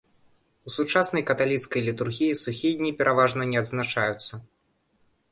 У сучаснай каталіцкай літургіі сухія дні пераважна не адзначаюцца.